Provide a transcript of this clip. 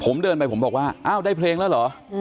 ผมเดินไปผมบอกว่าอ้าวได้เพลงแล้วเหรอ